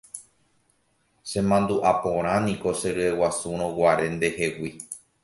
Chemandu'aporãniko cheryeguasurõguare ndehegui.